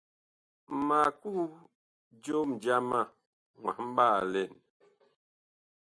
Ma kuh jom jama mwahɓaalɛn.